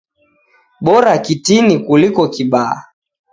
Bora kitini kuliko kibaa